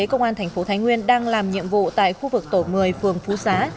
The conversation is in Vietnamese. công an tp thái nguyên đang làm nhiệm vụ tại khu vực tổ một mươi phường phú xá